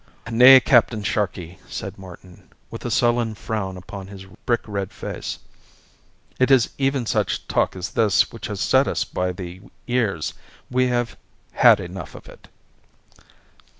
"Nay, Captain Sharkey," said Martin, with a sullen frown upon his brick red face, "it is even such talk as this which has set us by the ears. We have had enough of it."